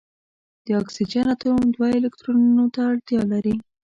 د اکسیجن اتوم دوه الکترونونو ته اړتیا لري.